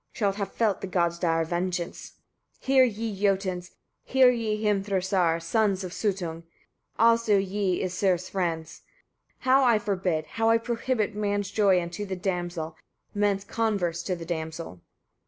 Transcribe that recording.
shalt have felt the gods' dire vengeance. 34. Hear ye, Jotuns! hear ye, Hrimthursar! sons of Suttung! also ye, Æsir's friends! how I forbid, how I prohibit man's joy unto the damsel, man's converse to the damsel.